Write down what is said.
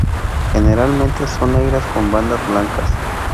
Generalmente son negras con bandas blancas.